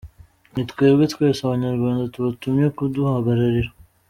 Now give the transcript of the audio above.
Ni twebwe, twese Abanyarwanda tubatumye kuduhagararira”.